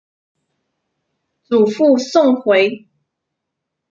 祖父宋回。